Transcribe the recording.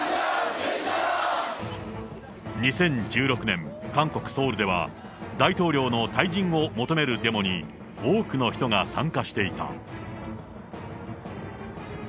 ２０１６年、韓国・ソウルでは、大統領の退陣を求めるデモに多くの人が参加していた。